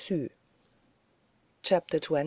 CHAPTER XX.